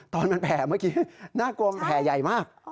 ตอนมันแผ่เมื่อกี้น่ากลัวมันแผ่ใหญ่มาก